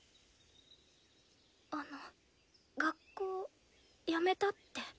あの学校やめたって。